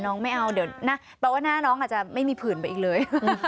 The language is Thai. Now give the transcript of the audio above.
น้องไม่เอาเดี๋ยวหน้าน้องอาจจะไม่มีผื่นไปอีกเลย